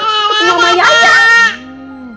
ketemu sama yayang